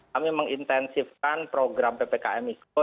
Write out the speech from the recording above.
kami mengintensifkan program ppkm mikro